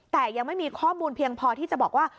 แต่ยังไม่มีข้อมูลเพียงพอที่จะบอกว่า